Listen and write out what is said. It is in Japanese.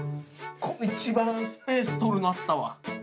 一番スペース取るのあったわ。